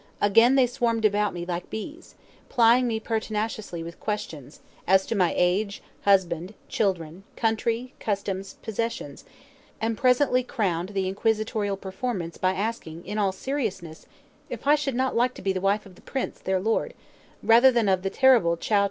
Again they swarmed about me like bees, plying me pertinaciously with questions, as to my age, husband, children, country, customs, possessions; and presently crowned the inquisitorial performance by asking, in all seriousness, if I should not like to be the wife of the prince, their lord, rather than of the terrible Chow che witt.